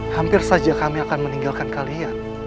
hampir saja kami akan meninggalkan kalian